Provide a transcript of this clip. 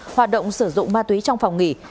hoạt động sử dụng ma túy trong phòng nghỉ